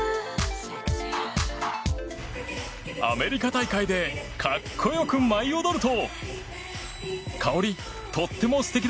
アメリカ大会で格好よく舞い踊ると。